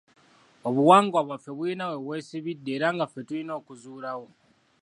Obuwangwa bwaffe bulina we bwesibidde era nga ffe tulina okuzuulawo.